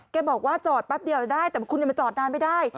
บอกว่าจอดแป๊บเดียวได้แต่คุณยังมาจอดนานไม่ได้